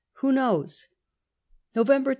Who knows ? November 13/A.